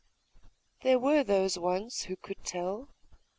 There were those once who could tell.